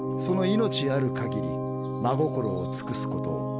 その命ある限り真心を尽くすことを